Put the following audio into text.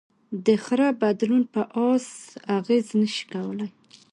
د خره بدلون په آس اغېز نهشي کولی.